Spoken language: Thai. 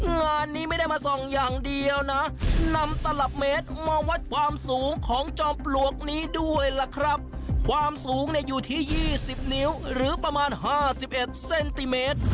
งานนี้ไม่ได้มาส่องอย่างเดียวนะนำตลับเมตรมาวัดความสูงของจอมปลวกนี้ด้วยล่ะครับความสูงเนี่ยอยู่ที่๒๐นิ้วหรือประมาณ๕๑เซนติเมตร